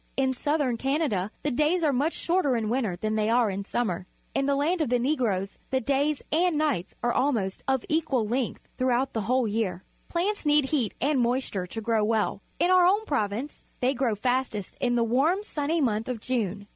In Southern Canada the days are much shorter in winter than they are in summer. In the land of the Negroes the daj's and nights are almost of equal length throughout the whole year. Plants need heat and moisture to grow well. In our own province they grow fastest in the warm, sunny month of June.